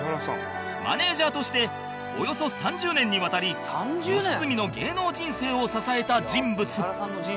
マネージャーとしておよそ３０年にわたり良純の芸能人生を支えた人物